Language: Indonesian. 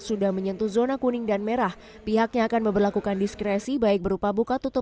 sudah menyentuh zona kuning dan merah pihaknya akan memperlakukan diskresi baik berupa buka tutup